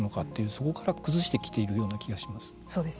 そこから崩してきているような気がします。